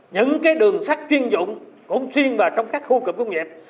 những đường sắt chuyên dụng cũng riêng vào trong các khu cụm công nghiệp